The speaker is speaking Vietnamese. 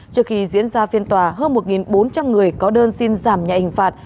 trước khi diễn ra phiên tòa hơn một bốn trăm linh người có đơn xin giảm nhạy hình phạt